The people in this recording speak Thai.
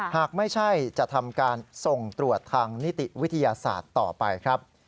หากไม่ใช่จะทำการส่งตรวจทางนิติวิทยาศาสตร์ต่อไปครับ